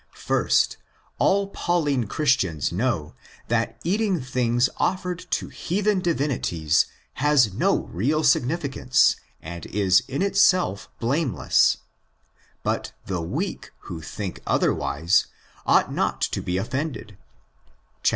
First, all Pauline Christians know that eating things offered to heathen divinities has no real significance and is in itself blameless; but the '' weak,"' who think otherwise, ought not to be offended (viii.